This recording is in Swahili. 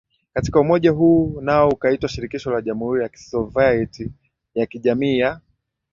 katika umoja huu nao ukaitwa Shirikisho la Jamhuri ya Kisovyiet ya Kijamii ya